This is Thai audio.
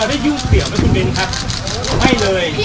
อ๋อไม่ขอพูดเรื่องนี้